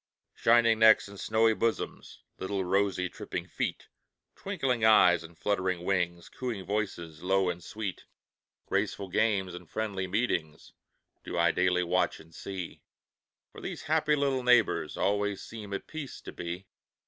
Shining necks and snowy bosoms, Little rosy, tripping feet, Twinkling eyes and fluttering wings, Cooing voices, low and sweet, Graceful games and friendly meetings, Do I daily watch and see. For these happy little neighbors Always seem at peace to be.